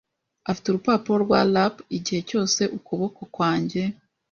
Afite urupapuro rwa rap igihe cyose ukuboko kwanjye.